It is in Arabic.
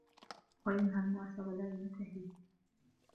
وَيَنْهَى النَّاسَ وَلَا يَنْتَهِي